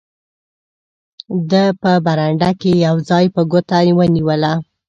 ده په برنډه کې یو ځای ته ګوته ونیوله.